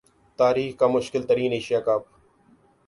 تاریخ کا مشکل ترین ایشیا کپ